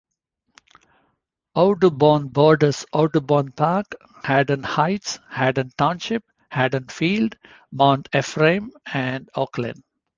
Audubon borders Audubon Park, Haddon Heights, Haddon Township, Haddonfield, Mount Ephraim and Oaklyn.